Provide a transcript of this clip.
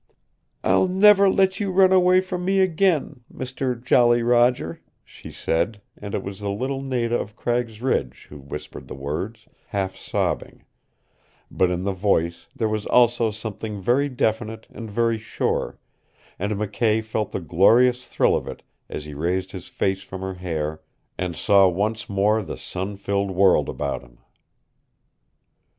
"I'll never let you run away from me again Mister Jolly Roger," she said, and it was the little Nada of Cragg's Ridge who whispered the words, half sobbing; but in the voice there was also something very definite and very sure, and McKay felt the glorious thrill of it as he raised his face from her hair, and saw once more the sun filled world about him.